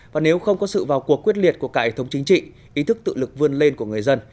và nếu không có sự vào cuộc quyết liệt của cải thống chính trị ý thức tự lực vươn lên của người dân